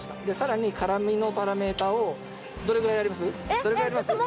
でさらに辛みのパラメーターをどれぐらいやります？